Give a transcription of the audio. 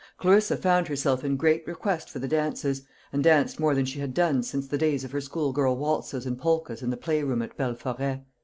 Clarissa found herself in great request for the dances, and danced more than she had done since the days of her schoolgirl waltzes and polkas in the play room at Belforêt.